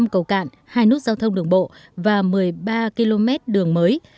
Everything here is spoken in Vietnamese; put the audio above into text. năm cầu cạn hai nút giao thông đường bộ và một mươi ba km đường mới